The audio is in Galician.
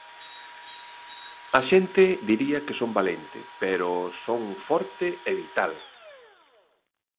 A xente diría que son valente, pero son forte e vital.